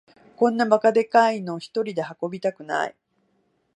こんなバカでかいのひとりで運びたくない